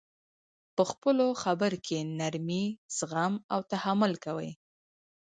په خپلو خبر کي نرمي، زغم او تحمل کوئ!